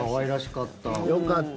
よかった。